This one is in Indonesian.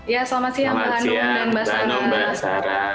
ya selamat siang mbak anum dan mbak sandra